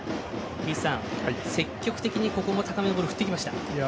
井口さん、積極的にここも高めのボールを振ってきました。